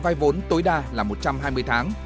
vay vốn tối đa là một trăm hai mươi tháng